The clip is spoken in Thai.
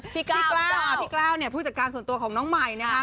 พี่กล้าวเนี่ยผู้จัดการส่วนตัวของน้องใหม่นะคะ